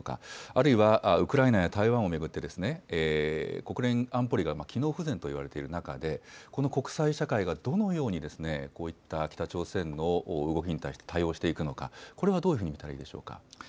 あるいはウクライナや台湾を巡って、国連安保理が機能不全といわれている中で、この国際社会がどのようにこういった北朝鮮の動きに対して対応していくのか、これはどういうふうに見たらいいでしょうか。